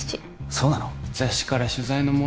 そうなの？